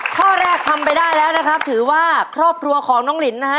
ข้อแรกทำไปได้แล้วนะครับถือว่าครอบครัวของน้องลินนะฮะ